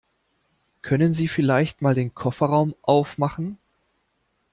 Können Sie vielleicht mal den Kofferraum aufmachen?